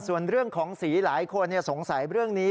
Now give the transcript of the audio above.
ส่วนเรื่องของสีหลายคนสงสัยเรื่องนี้